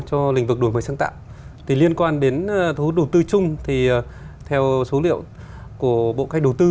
cho lĩnh vực đổi mới sáng tạo liên quan đến thu hút đầu tư chung thì theo số liệu của bộ cách đầu tư